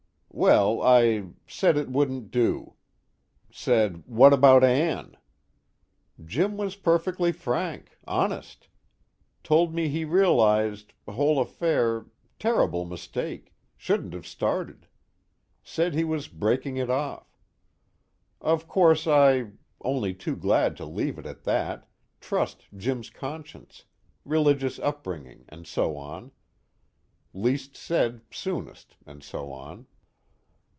"Well, I said it wouldn't do. Said, what about Ann? Jim was perfectly frank, honest. Told me he realized whole affair terrible mistake, shouldn't've started. Said he was breaking it off. Of course I only too glad to leave it at that, trust Jim's conscience, religious upbringing and so on. Least said, soonest and so on."